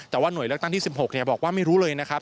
แต่ว่าหน่วยเลือกตั้งที่๑๖บอกว่าไม่รู้เลยนะครับ